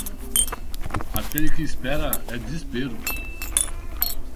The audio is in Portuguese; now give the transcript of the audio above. Aquele que espera é desespero.